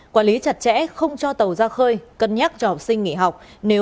quản lý chặt chẽ không cho tàu ra khơi cân nhắc cho học sinh nghỉ học